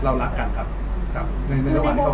ก็เรารักกันครับในโลกนี้ครับ